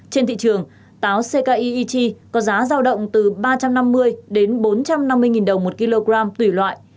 trên thị trường táo ckech có giá giao động từ ba trăm năm mươi đến bốn trăm năm mươi đồng một kg tùy loại